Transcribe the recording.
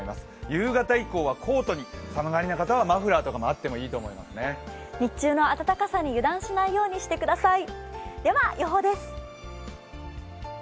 夕方以降はコートに寒がりな方はマフラーが日中の暖かさに油断しないようにしてください。